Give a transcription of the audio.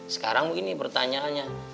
sekarang begini pertanyaannya